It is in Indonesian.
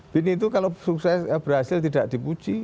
bin itu kalau berhasil tidak dipuji